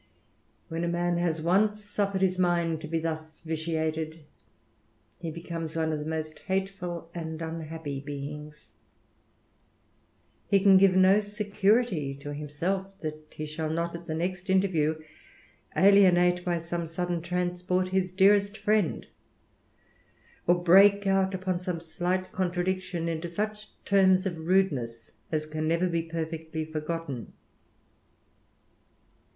When a man has once suffered his mind to be IS vitiated, he becomes one of the most hateful and ■appy beings. He can give no security to himself that shJall Dot, at the next interview, alienate by some sudden isport his dearest friend ; or break out, upon some slight contradiction, into such terms of rudeness as can never be perfectly forgotten.